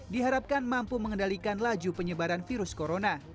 diharapkan mampu mengendalikan laju penyebaran virus corona